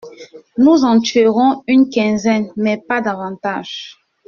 Nous en tuerons une quinzaine, mais pas davantage.